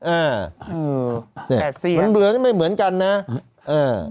เออมันเหลือไม่เหมือนกันนะเออ